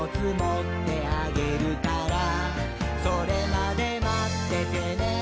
「それまでまっててねー！」